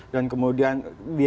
dan kemudian bieta